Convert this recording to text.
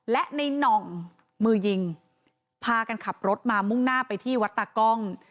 และในน่องมือยิงพากันขับรถมามุ่งหน้าไปที่วัดตากล้อง